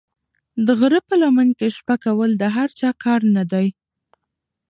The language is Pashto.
د غره په لمن کې شپه کول د هر چا کار نه دی.